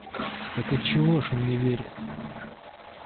Так отчего ж он не верит?